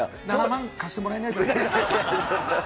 ７万貸してもらえない？